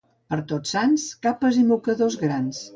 Per Tots Sants, capes i mocadors grans.